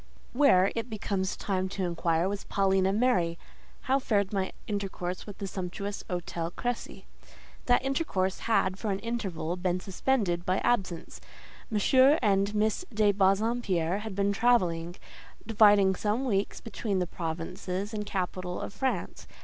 Where, it becomes time to inquire, was Paulina Mary? How fared my intercourse with the sumptuous Hôtel Crécy? That intercourse had, for an interval, been suspended by absence; M. and Miss de Bassompierre had been travelling, dividing some weeks between the provinces and capital of France.